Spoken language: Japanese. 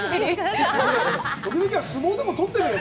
時々は相撲でもとってみれば？